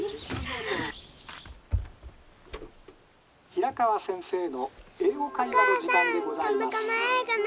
「平川先生の『英語会話』の」。